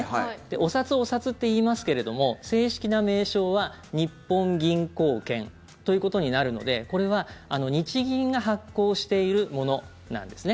お札、お札って言いますけれども正式な名称は日本銀行券ということになるのでこれは日銀が発行しているものなんですね。